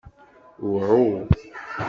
Wɛu.